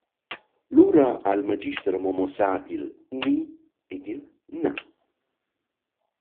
Lura ha il magister amo muossà il «Ni» ed il «Na».